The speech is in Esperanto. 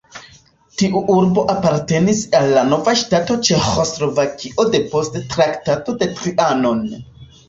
Tiu urbo apartenis al la nova ŝtato Ĉeĥoslovakio depost Traktato de Trianon.